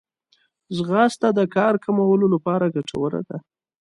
ځغاسته د قهر کمولو لپاره ګټوره ده